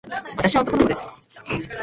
私は男の子です。